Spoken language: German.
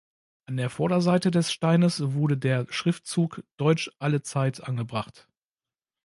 An der Vorderseite des Steines wurde der Schriftzug „Deutsch allezeit“ angebracht.